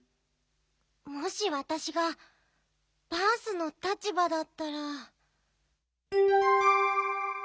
もしわたしがバースの立ばだったら。